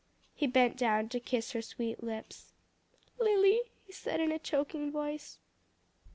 He bent down to kiss her sweet lips. "Lily?" he said in a choking voice.